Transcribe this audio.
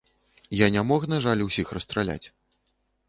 Я не мог, на жаль, усіх расстраляць.